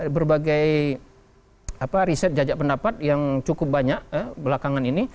berbagai riset jajak pendapat yang cukup banyak belakangan ini